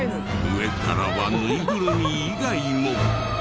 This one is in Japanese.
上からは縫いぐるみ以外も。